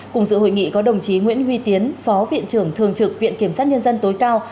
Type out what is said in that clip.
cùng dự hội nghị có đồng chí nguyễn huy tiến phó viện trưởng thường trực viện kiểm sát nhân dân tối cao